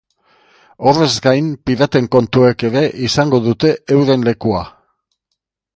Horrez gain, piraten kontuek ere izango dute euren lekua.